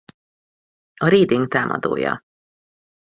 A Reading támadója.